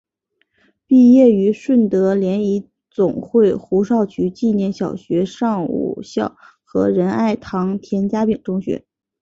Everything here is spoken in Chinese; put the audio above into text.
毕业于顺德联谊总会胡少渠纪念小学上午校和仁爱堂田家炳中学。